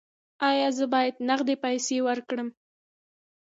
ایا زه باید نغدې پیسې ورکړم؟